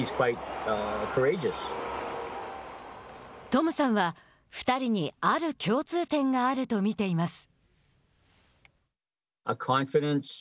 トムさんは２人にある共通点があると見ています。